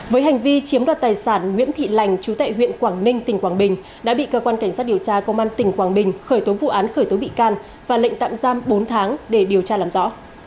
với hành vi chiếm đoạt tài sản nguyễn thị lành chú tệ huyện quảng ninh tỉnh quảng bình đã bị cơ quan cảnh sát điều tra công an tỉnh quảng bình khởi tố vụ án khởi tố bị can và lệnh tạm giam bốn tháng để điều tra làm rõ